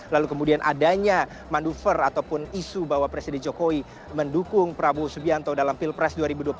lalu kemudian adanya manuver ataupun isu bahwa presiden jokowi mendukung prabowo subianto dalam pilpres dua ribu dua puluh empat